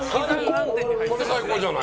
これ最高じゃないの？